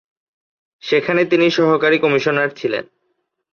সেখানে তিনি সহকারী কমিশনার ছিলেন।